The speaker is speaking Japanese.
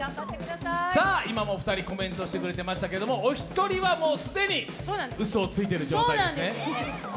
今も２人コメントしてくれてましたけれども、お一人はもう既にうそをついている状態なんですね。